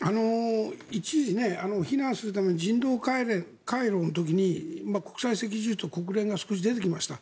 一時、避難するための人道回廊の時に国際赤十字と国連が少し出てきました。